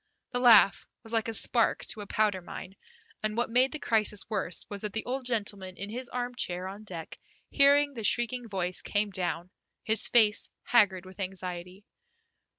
The laugh was like a spark to a powder mine, and what made the crisis worse was that the old gentleman in his armchair on deck, hearing the shrieking voice, came down, his face haggard with anxiety.